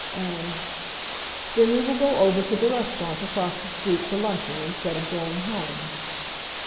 And, "Then we will go over to the restaurant across the street for luncheon instead of going home."